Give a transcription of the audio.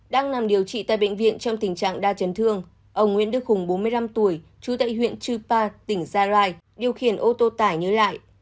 đang nằm điều trị tại bệnh viện trong tình trạng đa chấn thương ông nguyễn đức hùng bốn mươi năm tuổi trú tại huyện chư pa tỉnh gia rai điều khiển ô tô tải nhớ lại